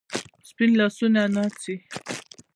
سپین لاسونه ناڅي